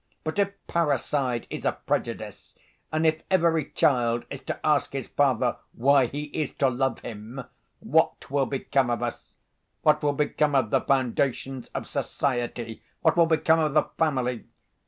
But if parricide is a prejudice, and if every child is to ask his father why he is to love him, what will become of us? What will become of the foundations of society? What will become of the family?